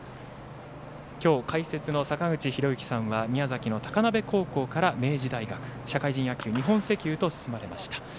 きょう解説の坂口裕之さんは宮崎の高鍋高校から明治大学、社会人野球日本石油へと進まれました。